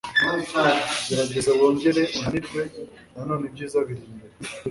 gerageza wongere unanirwe nanone ibyiza biri imbere .